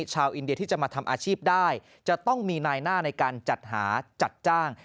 ชาวอินเดียที่จะมาทำอาชีพได้จะต้องมีนายหน้าในการจัดหาจัดจ้าง